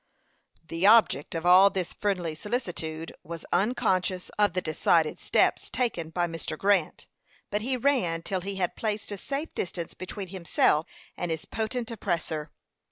The object of all this friendly solicitude was unconscious of the decided steps taken by Mr. Grant; but he ran till he had placed a safe distance between himself and his potent oppressor.